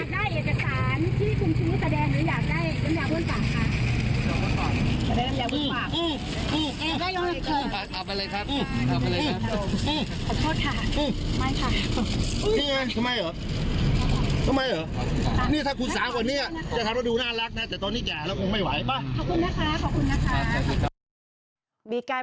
นี่ไงทำไมเหรอ